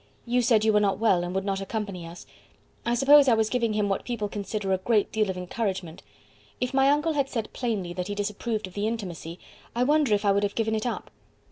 You said you were not well, and would not accompany us. I suppose I was giving him what people consider a great deal of encouragement. If my uncle had said plainly that he disapproved of the intimacy, I wonder if I would have given it up?